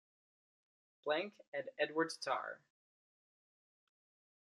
Plank and Edward Tarr.